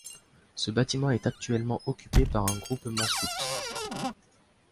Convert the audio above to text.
Ce bâtiment est actuellement occupé par un groupement scout.